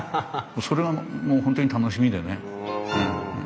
それはもう本当に楽しみでね。